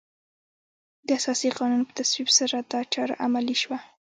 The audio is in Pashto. د اساسي قانون په تصویب سره دا چاره عملي شوه.